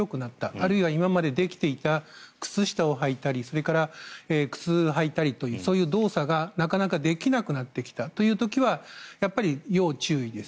あるいは今までできていた靴下をはいたりそれから靴を履いたりという動作がなかなかできなくなってきたという時はやっぱり要注意です。